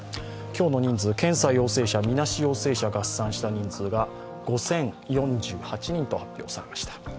今日の人数、検査陽性者、みなし陽性者合算した人数が５０４８人と発表されました。